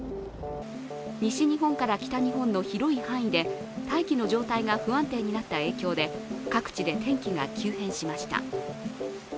西日本から北日本の広い範囲で大気の状態が不安定になった影響で各地で天気が急変しました。